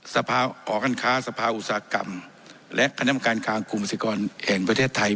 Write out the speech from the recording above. หอการค้าสภาอุตสาหกรรมและคณะกรรมการกลางกลุ่มสิกรแห่งประเทศไทย